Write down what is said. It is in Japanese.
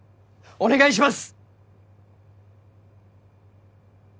お願いします！